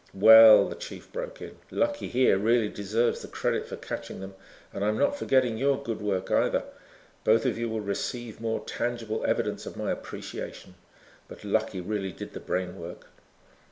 "Well," the chief broke in, "Lucky here really deserves the credit for catching them. And I'm not forgetting your good work either. Both of you will receive more tangible evidence of my appreciation. But Lucky really did the brainwork."